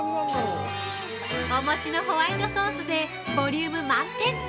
◆お餅のホワイトソースでボリューム満点。